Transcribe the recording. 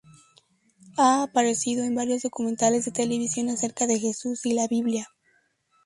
Ha aparecido en varios documentales de televisión acerca de Jesús y la Biblia.